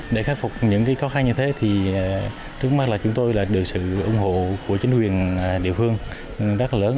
để khắc phục những khó khăn như thế trước mắt là chúng tôi được sự ủng hộ của chính quyền địa phương rất lớn